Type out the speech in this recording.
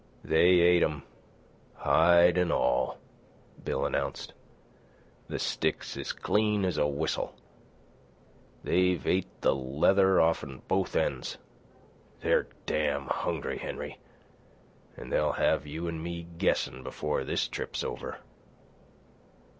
"They ate 'm hide an' all," Bill announced. "The stick's as clean as a whistle. They've ate the leather offen both ends. They're damn hungry, Henry, an' they'll have you an' me guessin' before this trip's over."